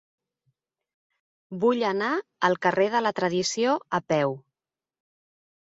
Vull anar al carrer de la Tradició a peu.